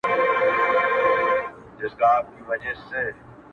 چي موږ ټوله په یوه ژبه ګړېږو-